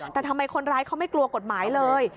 แต่ทำไมคนร้ายเขาไม่กลัวกฎหมายเลย